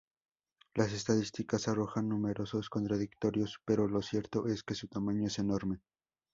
Las estadísticas arrojan números contradictorios, pero lo cierto es que su tamaño es enorme.